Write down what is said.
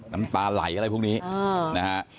น้ำตาไหลอะไรพวกนี้นะฮะ